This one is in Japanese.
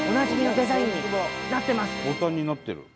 ボタンになってる。